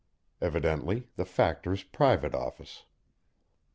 Evidently the Factor's private office.